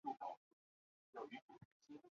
这部电影普遍招致严厉的批评。